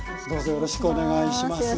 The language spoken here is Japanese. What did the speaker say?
よろしくお願いします。